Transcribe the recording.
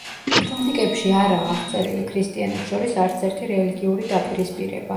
ქრონიკებში არაა აღწერილი ქრისტიანებს შორის არცერთი რელიგიური დაპირისპირება.